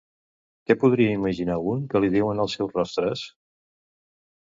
Què podria imaginar un que li diuen els seus rostres?